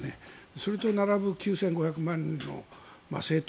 それと並ぶ９５００万人の政党。